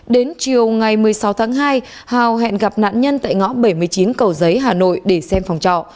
đến chiều ngày một mươi sáu tháng hai hào hẹn gặp nạn nhân tại ngõ bảy mươi chín cầu giấy hà nội để xem phòng trọ